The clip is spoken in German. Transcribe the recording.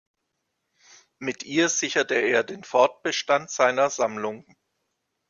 Mit ihr sicherte er den Fortbestand seiner Sammlung.